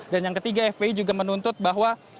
dan yang ketiga fpi juga menuntut bahwa